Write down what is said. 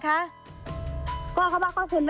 แล้วทีนี้เขาก็เอาไปบ้านแฟนเขา